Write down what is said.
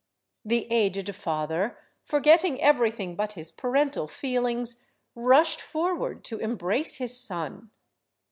The aged father, forgetting everything but his parental feelings, rushed forward to embrace his son.